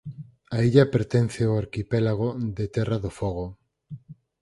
A illa pertence ao arquipélago de Terra do Fogo.